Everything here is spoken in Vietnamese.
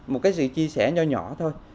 một cái sự chia sẻ nhỏ nhỏ thôi